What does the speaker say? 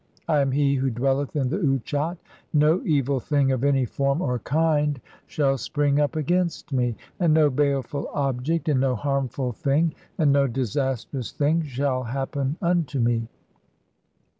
I am he who dwelleth in the Utchat, no evil thing of any "form or kind shall spring up against me, and no baleful object, "and no harmful thing, and no disastrous thing shall happen unto "(18) me.